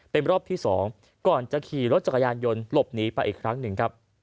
เป็นรอบที่๒ก่อนจะขี่รถจักรยานยนต์หลบหนีไปอีกครั้งหนึ่งครับ